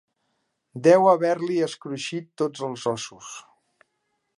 Deu haver-li escruixit tots els ossos.